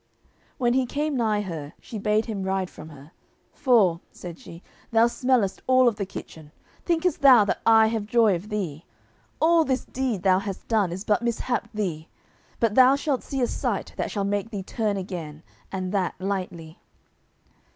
When he came nigh her, she bade him ride from her, "for," said she, "thou smellest all of the kitchen; thinkest thou that I have joy of thee? All this deed thou hast done is but mishapped thee, but thou shalt see a sight that shall make thee turn again, and that lightly."